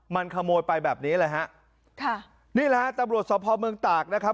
มันขโมยไปแบบนี้เลยฮะค่ะนี่แหละฮะตำรวจสภเมืองตากนะครับ